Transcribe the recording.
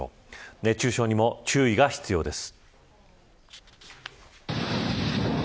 熱中症にも注意が必要です。